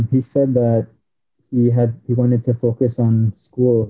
dia bilang bahwa dia ingin fokus ke sekolah